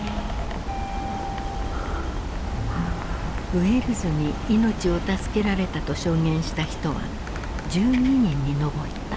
ウェルズに命を助けられたと証言した人は１２人に上った。